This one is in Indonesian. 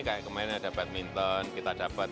kayak kemarin ada badminton kita dapat